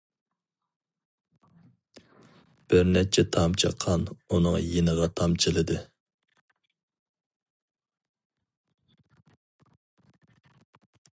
بىر نەچچە تامچە قان ئۇنىڭ يېڭىغا تامچىلىدى.